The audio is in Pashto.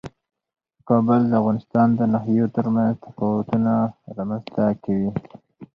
کابل د افغانستان د ناحیو ترمنځ تفاوتونه رامنځ ته کوي.